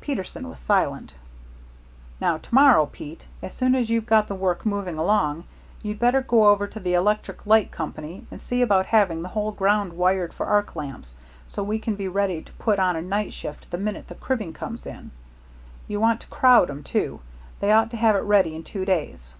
Peterson was silent. "Now to morrow, Pete, as soon as you've got the work moving along, you'd better go over to the electric light company and see about having the whole ground wired for arc lamps, so we can be ready to put on a night shift the minute the cribbing comes in. You want to crowd 'em, too. They ought to have it ready in two days."